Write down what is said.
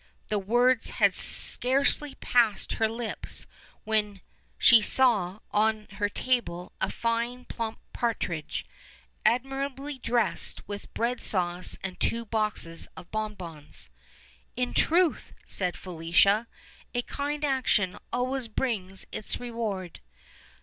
The words had scarcely passed her lips when c*ie saw on her table a fine plump partridge, admi rably dressed with bread sauce, and two boxes of bonbons. "In truth," said Felicia, "a kind action always brings its reward."